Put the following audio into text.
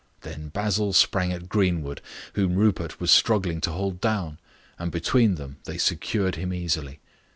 Then Basil sprang at Greenwood, whom Rupert was struggling to hold down, and between them they secured him easily.